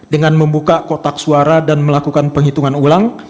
dengan membuka kotak suara dan melakukan penghitungan ulang